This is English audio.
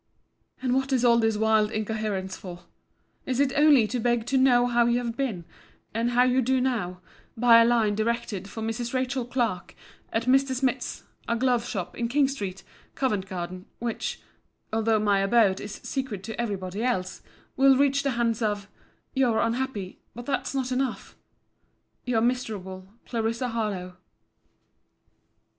And what is all this wild incoherence for? It is only to beg to know how you have been, and how you do now, by a line directed for Mrs. Rachel Clark, at Mr. Smith's, a glove shop, in King street, Covent garden; which (although my abode is secret to every body else) will reach the hands of—your unhappy—but that's not enough—— Your miserable CLARISSA HARLOWE.